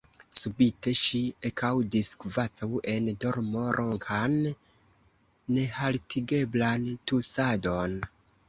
Subite ŝi ekaŭdis kvazaŭ en dormo ronkan, nehaltigeblan tusadon.